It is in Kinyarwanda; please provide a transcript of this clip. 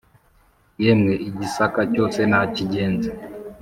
yemwe i gisaka cyose nakigenze